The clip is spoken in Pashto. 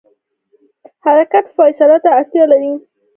حرکت فاصلې ته اړتیا لري.